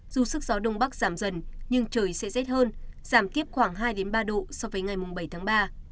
dù sức gió đông bắc giảm dần nhưng trời sẽ rét hơn giảm tiếp khoảng hai ba độ so với ngày bảy tháng ba